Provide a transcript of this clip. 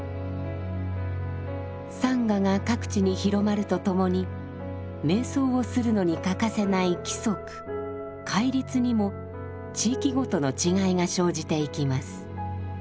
サンガが各地に広まるとともに瞑想するのに欠かせない規則「戒律」にも地域ごとの違いが生じていきます。